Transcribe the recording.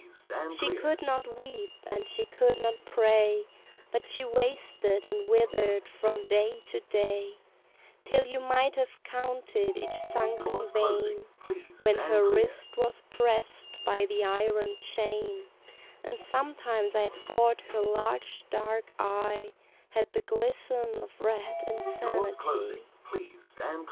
She could not weep, and she could not pray, But she wasted and withered from day to day, Till you might have counted each sunken vein, When her wrist was prest by the iron chain; And sometimes I thought her large dark eye Had the glisten of red insanity.